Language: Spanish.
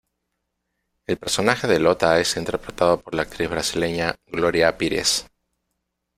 El personaje de Lota es interpretado por la actriz brasileña Gloria Pires.